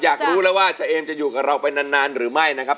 อยากรู้แล้วว่าเชเอมจะอยู่กับเราไปนานหรือไม่นะครับ